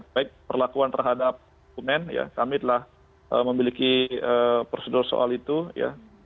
baik perlakuan terhadap dokumen ya kami telah memiliki prosedur soal itu ya